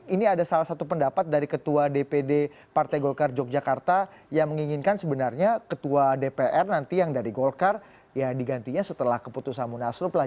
ini ada salah satu pendapat dari ketua dpd partai golkar yogyakarta yang menginginkan sebenarnya ketua dpr nanti yang dari golkar ya digantinya setelah keputusan munaslup lah